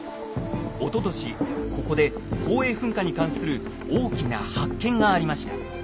おととしここで宝永噴火に関する大きな発見がありました。